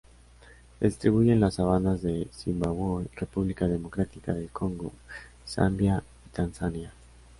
Se distribuye en las sabanas de Zimbabue, República Democrática del Congo, Zambia y Tanzania.